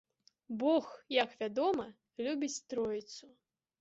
Бог, як вядома, любіць тройцу.